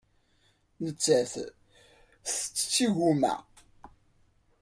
Nettat tettett igumma.